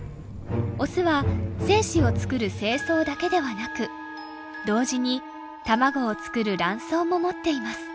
オスは精子を作る精巣だけではなく同時に卵を作る卵巣も持っています。